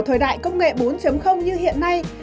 thời đại công nghệ bốn như hiện nay